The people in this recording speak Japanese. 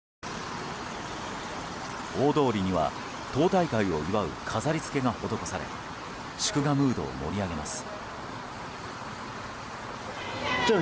大通りには、党大会を祝う飾り付けが施され祝賀ムードを盛り上げます。